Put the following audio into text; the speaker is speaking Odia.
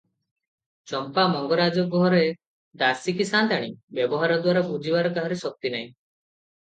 ଚମ୍ପା ମଙ୍ଗରାଜ ଘରେ ଦାସୀ କି ସାଆନ୍ତାଣୀ, ବ୍ୟବହାରଦ୍ୱାରା ବୁଝିବାର କାହାରି ଶକ୍ତି ନାହିଁ ।